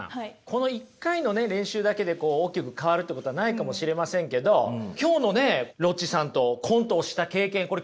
この一回の練習だけで大きく変わるってことはないかもしれませんけど今日のねロッチさんとコントをした経験これ貴重ですよね。